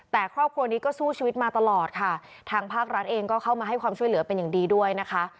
แต่ครอบครัวนี้ก็สู้ชีวิตมาตลอดค่ะทางภาครัฐเองก็เข้ามาให้ความช่วยเหลือเป็นอย่างดีด้วยนะคะ